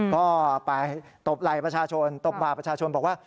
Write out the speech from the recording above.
ก็ไปตบไหล่ประชาชนตบบาปประชาชนบอกว่า